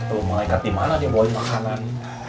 tuh mereka gimana dia bawain makanan